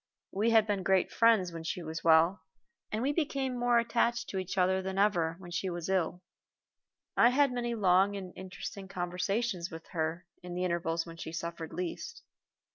We had been great friends when she was well, and we became more attached to each other than ever when she was ill. I had many long and interesting conversations with her in the intervals when she suffered least.